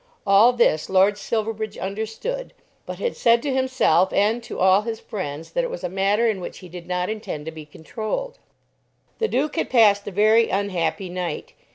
All this Lord Silverbridge understood, but had said to himself and to all his friends that it was a matter in which he did not intend to be controlled. The Duke had passed a very unhappy night.